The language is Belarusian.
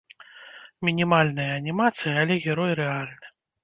Мінімальная анімацыя, але герой рэальны.